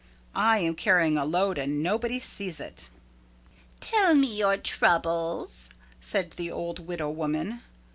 I am carrying a load and nobody sees it." "Tell me your troubles," said the old widow woman.